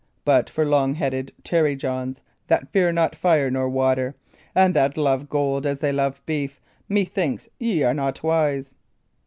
But for long headed tarry Johns, that fear not fire nor water, and that love gold as they love beef, methinks ye are not wise."